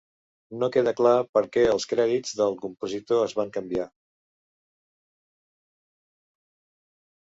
No queda clar per què els crèdits del compositor es van canviar.